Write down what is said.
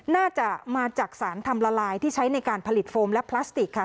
น่าจะมาจากสารทำละลายที่ใช้ในการผลิตโฟมและพลาสติกค่ะ